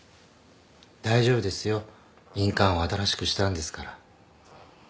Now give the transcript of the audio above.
大丈夫ですよ印鑑を新しくしたんですから。